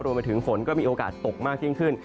รวมมาถึงฝนก็มีโอกาสตกมากขึ้น